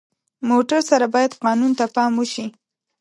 موټر سره باید قانون ته پام وشي.